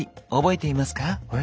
え？